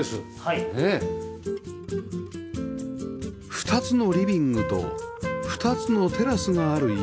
２つのリビングと２つのテラスがある家